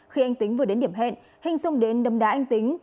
khi anh tính vừa đến điểm hẹn hình dung đến đâm đá anh tính